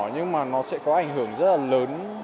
nhưng mà nó sẽ có ảnh hưởng rất là lớn